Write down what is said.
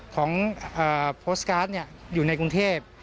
ของโพสการ์ดเนี่ยอยู่ในกรุงเทพฯ